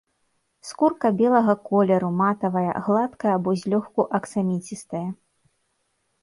Скурка белага колеру, матавая, гладкая або злёгку аксаміцістая.